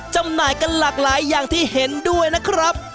จำหน่ายกันหลากหลายอย่างที่เห็นด้วยนะครับ